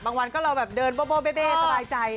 บางวันก็เราแบบเดินเบ๊บเบ๊บเบ๊บปลายใจ